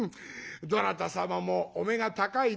どなた様もお目が高いな」。